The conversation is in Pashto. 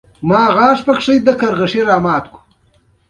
هم مې مښک ليدلي، هم عنبر دي په جهان کې